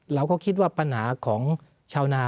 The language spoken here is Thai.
เราก็คิดว่าปัญหาของชาวนา